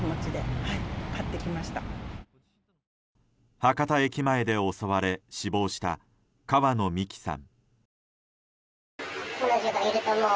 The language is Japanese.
博多駅前で襲われ死亡した川野美樹さん。